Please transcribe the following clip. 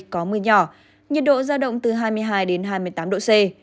có mưa nhỏ nhiệt độ giao động từ hai mươi hai đến hai mươi tám độ c